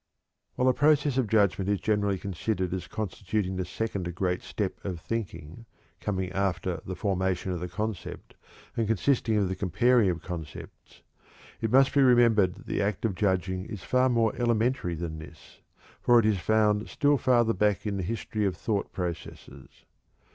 While the process of judgment is generally considered as constituting the second great step of thinking, coming after the formation of the concept, and consisting of the comparing of concepts, it must be remembered that the act of judging is far more elementary than this, for it is found still farther back in the history of thought processes.